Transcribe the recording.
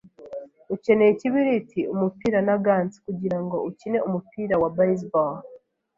Ukeneye ikibiriti, umupira na gants kugirango ukine umupira wa baseball.